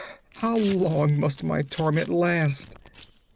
How long must my torment last?'